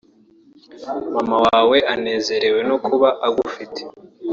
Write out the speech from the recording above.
Mama wawe anezerewe no kuba agufite